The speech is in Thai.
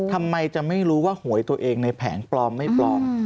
ทำไมจะไม่รู้ว่าหวยตัวเองในแผงปลอมไม่ปลอม